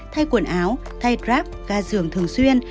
thay quần áo thay trap ga dường thường xuyên